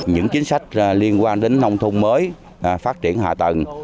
những chính sách liên quan đến nông thôn mới phát triển hạ tầng